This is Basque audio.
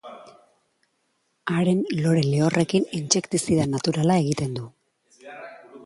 Haren lore lehorrekin intsektizida naturala egiten du.